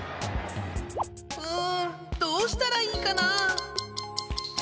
うんどうしたらいいかな？